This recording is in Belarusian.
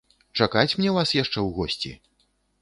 Чакаць мне вас яшчэ ў госці?